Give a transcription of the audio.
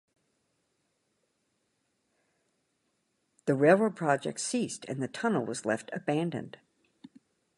The railroad project ceased, and the tunnel was left abandoned.